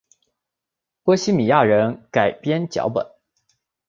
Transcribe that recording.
波希米亚人改编脚本。